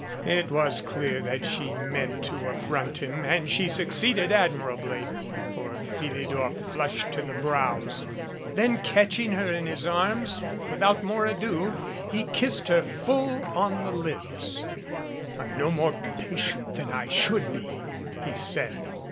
It was clear that she meant to affront him and she 184. A PHILOSOPHER IN A QUANDARY succeeded admirably, for Philidor flushed to the brows. Then catching her in his arms without more ado, he kissed her full on the lips. "I'm no more patient than I should be," he said.